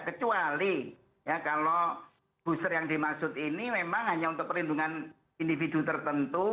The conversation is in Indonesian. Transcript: kecuali ya kalau booster yang dimaksud ini memang hanya untuk perlindungan individu tertentu